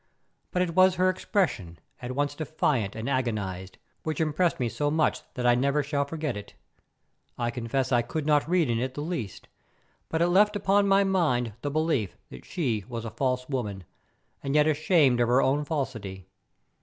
But it was her expression, at once defiant and agonized, which impressed me so much that I never shall forget it. I confess I could not read it in the least, but it left upon my mind the belief that she was a false woman, and yet ashamed of her own falsity.